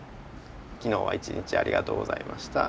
「昨日は一日ありがとうございました。